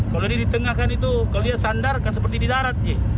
kalau ditengahkan itu kalau dia sandarkan seperti di darat